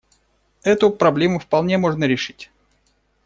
Эту проблему вполне можно решить.